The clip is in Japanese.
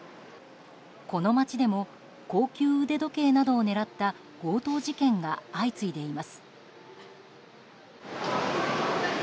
この街でも高級腕時計などを狙った強盗事件が相次いでいます。